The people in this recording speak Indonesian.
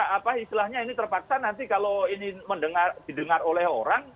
apa istilahnya ini terpaksa nanti kalau ini didengar oleh orang